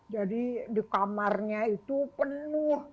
jadi di kamarnya itu penuh